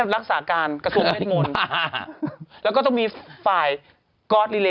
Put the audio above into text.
ประเทศไทยเราต้องมีกระทรวงเวทมนตร์